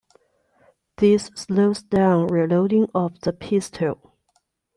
This slows down reloading of the pistol.